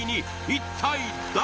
一体誰？